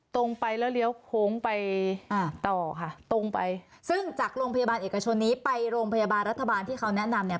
ตรงไปแล้วเลี้ยวโค้งไปอ่าต่อค่ะตรงไปซึ่งจากโรงพยาบาลเอกชนนี้ไปโรงพยาบาลรัฐบาลที่เขาแนะนำเนี่ย